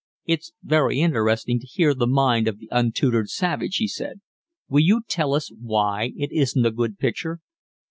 "It's very interesting to hear the mind of the untutored savage," he said. "Will you tell us why it isn't a good picture?"